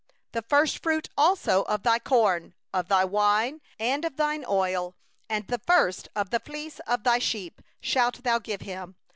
4The first fruits of thy corn, of thy wine, and of thine oil, and the first of the fleece of thy sheep, shalt thou give him.